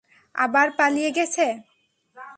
আবার পালিয়ে গেছে?